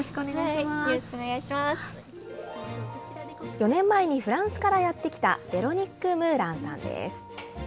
４年前にフランスからやって来た、ヴェロニック・ムーランさんです。